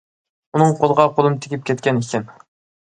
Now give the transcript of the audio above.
ئۇنىڭ قولىغا قولۇم تېگىپ كەتكەن ئىكەن.